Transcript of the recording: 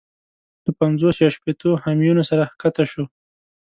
له پنځوس یا شپېتو همیونو سره کښته شو.